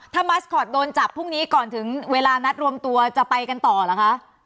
ถ้ามัสคอตโดนจับพรุ่งนี้ก่อนถึงเวลานัดรวมตัวจะไปกันต่อเหรอคะ